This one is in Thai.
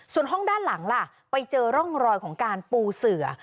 ส่วนห้องด้านหลังล่ะไปเจอร่องรอยของการปูเสือ